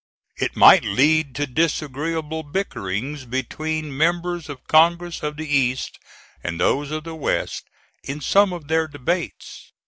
It might lead to disagreeable bickerings between members of Congress of the East and those of the West in some of their debates.